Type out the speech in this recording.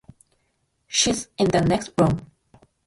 She's in the next room.